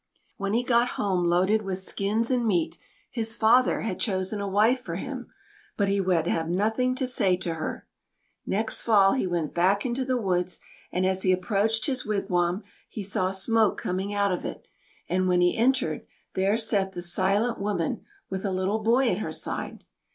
When he got home loaded with skins and meat, his father had chosen a wife for him; but he would have nothing to say to her. Next Fall he went back into the woods, and as he approached his wigwam, he saw smoke coming out of it, and when he entered, there sat the silent woman with a little boy at her side.